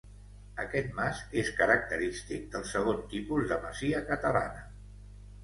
Aquest mas és característic del segon tipus de masia catalana.